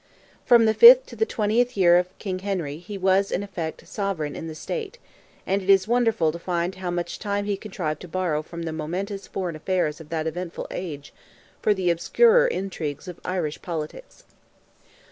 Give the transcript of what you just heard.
From the fifth to the twentieth year of King Henry, he was, in effect, sovereign in the state, and it is wonderful to find how much time he contrived to borrow from the momentous foreign affairs of that eventful age for the obscurer intrigues of Irish politics.